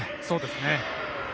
そうですね。